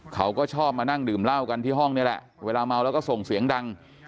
เขาก็ชอบมานั่งดื่มเหล้ากันที่ห้องนี่แหละเวลาเมาแล้วก็ส่งเสียงดัง